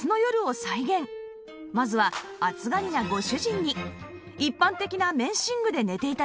まずは暑がりなご主人に一般的な綿寝具で寝て頂きました